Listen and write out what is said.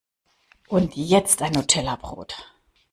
Und jetzt ein Nutellabrot!